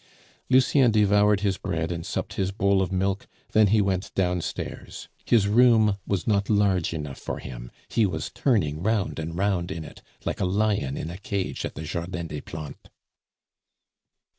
Lucien devoured his bread and supped his bowl of milk, then he went downstairs. His room was not large enough for him; he was turning round and round in it like a lion in a cage at the Jardin des Plantes.